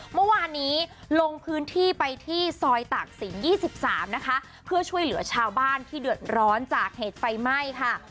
เมื่อวานนี้ลงพื้นที่ไปที่ซอยตากศิลป์๒๓นะคะเพื่อช่วยเหลือชาวบ้านที่เดือดร้อนจากเหตุไฟไหม้ค่ะ